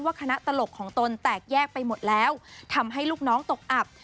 คณะตลกของตนแตกแยกไปหมดแล้วทำให้ลูกน้องตกอับ